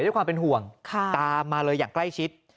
ด้วยความเป็นห่วงตามมาเลยอย่างใกล้ชิด